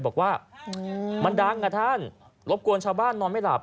บอกว่ามันดังอ่ะท่านรบกวนชาวบ้านนอนไม่หลับ